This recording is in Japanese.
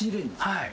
はい。